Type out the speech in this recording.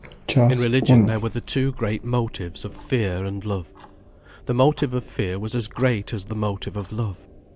In religion there were the two great motives of fear and love. The motive of fear was as great as the motive of love.